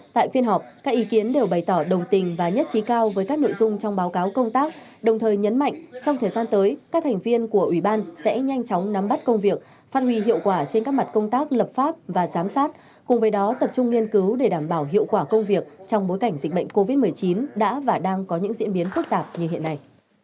tại phiên họp các ý kiến đều bày tỏ đồng tình và nhất trí cao với các nội dung trong báo cáo công tác đồng thời nhấn mạnh trong thời gian tới các thành viên của ủy ban sẽ nhanh chóng nắm bắt công việc phát huy hiệu quả trên các mặt công tác lập pháp và giám sát cùng với đó tập trung nghiên cứu để đảm bảo hiệu quả công việc trong bối cảnh dịch bệnh covid một mươi chín đã và đang có những diễn biến phức tạp như hiện nay